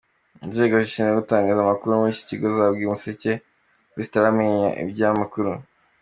Inzego zishinzwe gutangaza amakuru muri iki kigo zabwiye Umuseke ko zitaramenya iby’aya makuru.